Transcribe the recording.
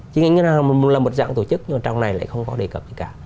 chi nhánh ngân hàng là một dạng tổ chức nhưng mà trong này lại không có đề cập gì cả